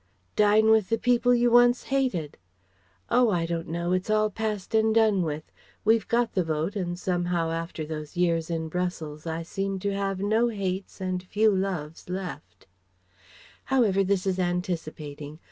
"Dine with the people you once hated." "Oh I don't know, it's all past and done with; we've got the Vote and somehow after those years in Brussels I seem to have no hates and few loves left" However this is anticipating.